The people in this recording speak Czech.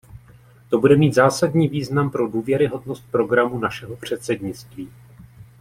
To bude mít zásadní význam pro důvěryhodnost programu našeho předsednictví.